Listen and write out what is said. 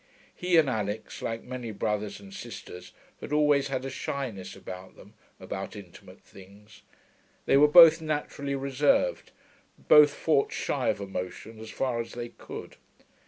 He and Alix, like many brothers and sisters, had always had a shyness about them about intimate things. They were both naturally reserved; both fought shy of emotion as far as they could.